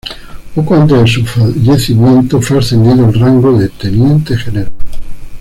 Poco antes de su fallecimiento fue ascendido al rango de Teniente general.